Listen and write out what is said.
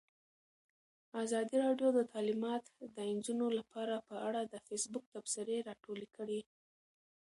ازادي راډیو د تعلیمات د نجونو لپاره په اړه د فیسبوک تبصرې راټولې کړي.